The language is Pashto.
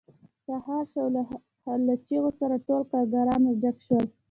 سهار شو او له چیغې سره ټول کارګران راجګ شول